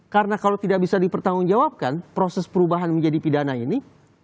karena kalau tidak bisa dipertanggungjawabkan proses perubahan menjadi pidana ini